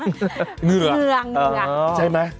เหงือรึคะใช่ไหมเออเหงือ